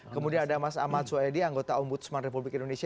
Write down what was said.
kemudian ada mas ahmad soedi anggota ombudsman republik indonesia